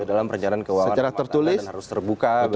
dalam perencanaan keuangan rumah tangga yang harus terbuka